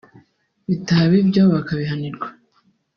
bitaba ibyo bakabihanirwa